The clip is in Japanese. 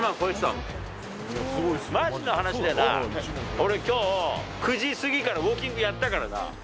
俺、今日９時過ぎからウォーキングやったからな。